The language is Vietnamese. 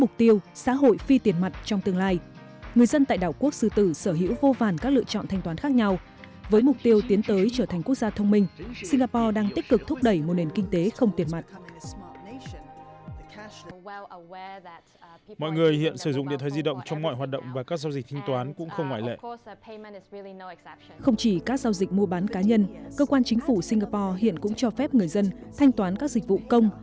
không chỉ các giao dịch mua bán cá nhân cơ quan chính phủ singapore hiện cũng cho phép người dân thanh toán các dịch vụ công